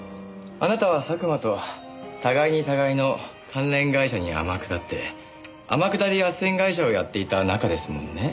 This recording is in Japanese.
あなたは佐久間と互いに互いの関連会社に天下って天下り斡旋会社をやっていた仲ですもんね。